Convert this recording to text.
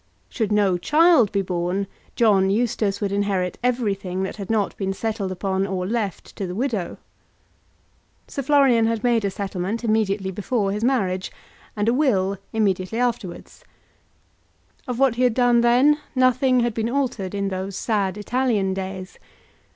Should no child be born, John Eustace would inherit everything that had not been settled upon or left to the widow. Sir Florian had made a settlement immediately before his marriage, and a will immediately afterwards. Of what he had done then, nothing had been altered in those sad Italian days.